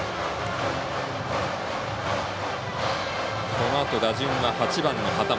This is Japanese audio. このあと、打順が８番の畑本。